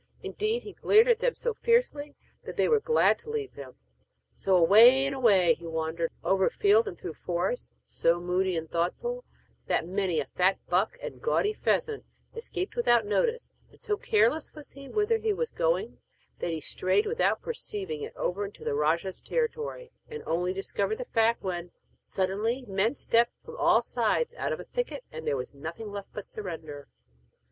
Indeed, he glared at them so fiercely that they were glad to leave him. So away and away he wandered, over field and through forest, so moody and thoughtful that many a fat buck and gaudy pheasant escaped without notice, and so careless was he whither he was going that he strayed without perceiving it over into the rajah's territory, and only discovered the fact when, suddenly, men stepped from all sides out of a thicket, and there was nothing left but surrender.